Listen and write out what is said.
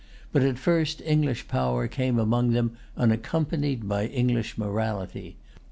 But at first English power came among them unaccompanied by English morality.